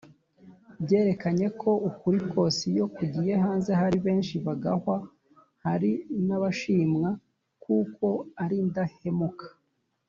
byerekanye ko ukuri kose iyo kugiye hanze hari benshi bagahwa hari nabashimwa kuko arindahemuka.